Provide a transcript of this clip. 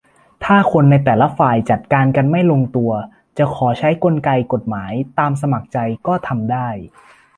- ถ้าคนในแต่ละฝ่ายจัดการกันไม่ลงตัว จะขอใช้กลไกกฎหมาย ตามสมัครใจ ก็ทำได้